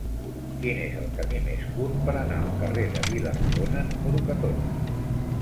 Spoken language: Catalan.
Quin és el camí més curt per anar al carrer de Vila-rodona número catorze?